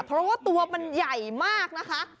เพราะว่าตัวมันใหญ่มากนะคะ